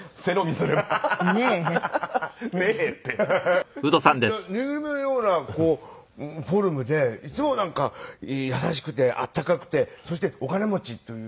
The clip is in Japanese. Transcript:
そういったぬいぐるみのようなフォルムでいつも優しくて温かくてそしてお金持ちという。